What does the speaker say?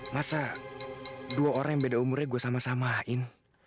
masa dua orang yang beda umurnya gue sama samain